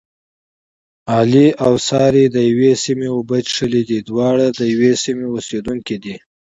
علي او سارې دیوې سیمې اوبه څښلې دي. دواړه د یوې سیمې اوسېدونکي دي.